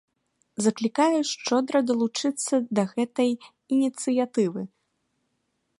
Заклікаю шчодра далучыцца да гэтай ініцыятывы.